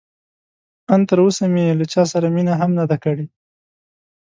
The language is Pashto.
ان تراوسه مې له چا سره مینه هم نه ده کړې.